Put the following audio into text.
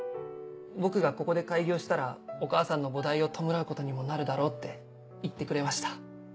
僕がここで開業したらお母さんの菩提を弔うことにもなるだろうって言ってくれました。